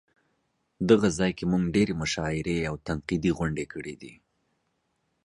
دغه ځای کې مونږ ډېرې مشاعرې او تنقیدي غونډې کړې دي.